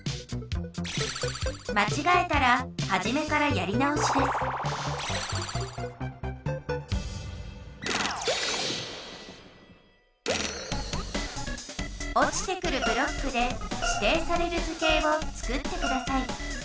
まちがえたらはじめからやり直しです落ちてくるブロックでしていされる図形をつくってください